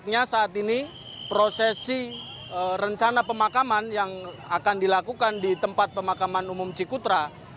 artinya saat ini prosesi rencana pemakaman yang akan dilakukan di tempat pemakaman umum cikutra